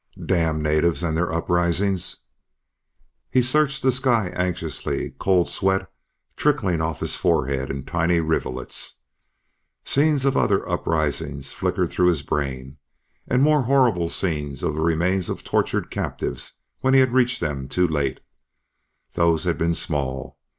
Damned natives and their uprisings! He searched the sky anxiously, cold sweat trickling off his forehead in tiny rivulets. Scenes of other uprisings flickered through his brain, and more horrible scenes of the remains of tortured captives when he reached them too late. Those had been small.